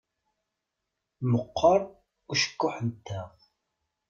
Meqqeṛ ucekkuḥ-nteɣ.